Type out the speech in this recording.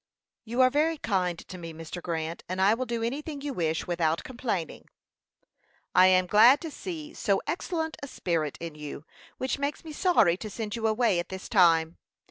"You are very kind to me, Mr. Grant, and I will do anything you wish without complaining." "I am glad to see so excellent a spirit in you, which makes me sorry to send you away at this time.